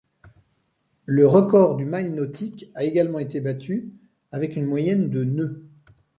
Le record du mille nautique a également été battu, avec une moyenne de nœuds.